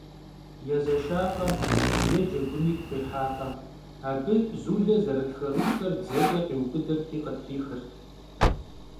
Yêzeşşakhe yê cegun yigu khihakhe, abı Zule zerıtxe ruçker dzeç'e khiubıdırti khıtrixırt.